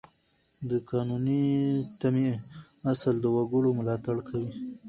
د قانوني تمې اصل د وګړو ملاتړ کوي.